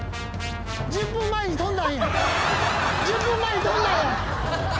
１０分前にとんだんや。